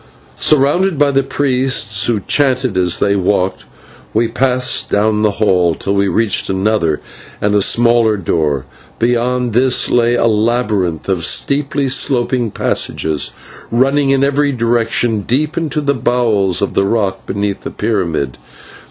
Surrounded by the priests, who chanted as they walked, we passed down the hall till we reached another and a smaller door. Beyond this lay a labyrinth of steeply sloping passages, running in every direction deep into the bowels of the rock beneath the pyramid.